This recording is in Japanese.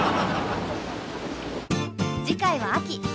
次回は「秋」。